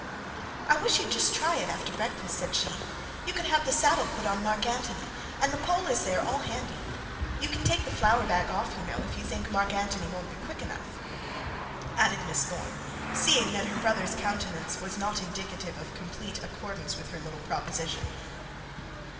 'I wish you'd just try it after breakfast,' said she. 'You could have the saddle put on Mark Antony, and the pole is there all handy. You can take the flour bag off, you know, if you think Mark Antony won't be quick enough,' added Miss Thorne, seeing that her brother's countenance was not indicative of complete accordance with her little proposition.